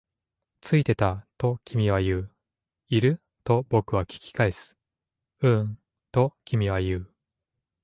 ついてた、と君は言う。いる？と僕は聞き返す。ううん、と君は言う。